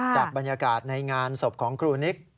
จากบรรยากาศในงานศพของครูนิก